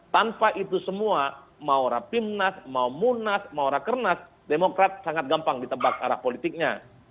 tanpa itu semua mau rapimnas mau munas mau rakernas demokrat sangat gampang ditebak arah politiknya